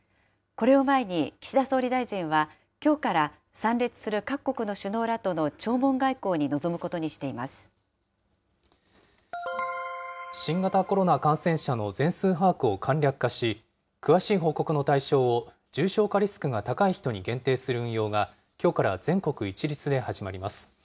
これを前に、岸田総理大臣はきょうから参列する各国の首脳らとの弔問外交に臨新型コロナ感染者の全数把握を簡略化し、詳しい報告の対象を重症化リスクが高い人に限定する運用が、きょうから全国一律で始まります。